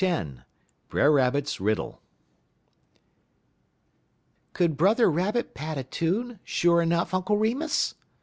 X BRER RABBIT'S RIDDLE "Could Brother Rabbit pat a tune, sure enough, Uncle Remus?"